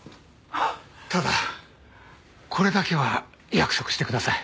ただこれだけは約束してください。